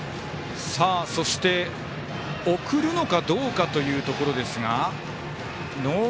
そして、送るのかどうかというところですが。